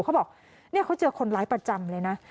เขาบอกเนี่ยเขาเจอคนร้ายประจำเลยนะ